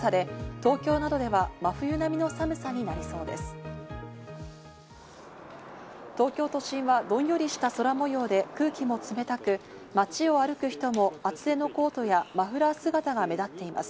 東京都心はどんよりした空模様で、空気も冷たく、街を歩く人も厚手のコートやマフラー姿が目立っています。